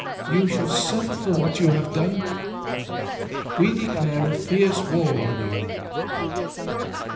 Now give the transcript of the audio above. You shall sufiFer for what you have done. We declare a fierce war on you."